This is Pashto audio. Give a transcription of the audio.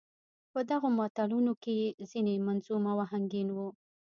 په دغو متلونو کې يې ځينې منظوم او اهنګين وو.